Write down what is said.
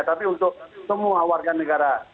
tapi untuk semua warga negara